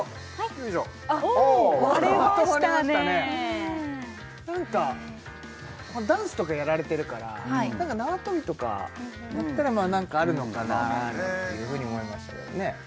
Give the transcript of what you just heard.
また割れましたねなんかダンスとかやられてるから縄跳びとかだったらまあなんかあるのかなっていうふうに思いましたけどね